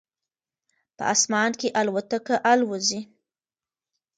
په اسمان کې الوتکه الوزي